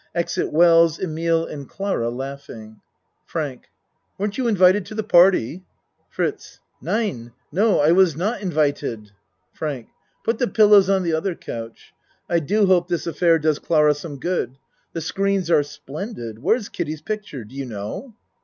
(Exit Wells, Emile, and Clara laughing.) FRANK Weren't you invited to the party? FRITZ Nein. No, I was not invited. FRANK Put the pillows on the other couch. I do hope this affair does Clara some good. The screens are splendid. Where's Kiddie's picture? Do you know?